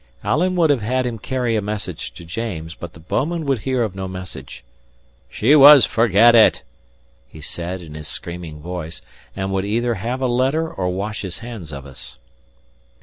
Alan would have had him carry a message to James; but the bouman would hear of no message. "She was forget it," he said in his screaming voice; and would either have a letter or wash his hands of us.